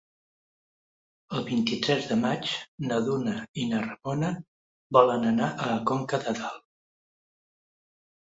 El vint-i-tres de maig na Duna i na Ramona volen anar a Conca de Dalt.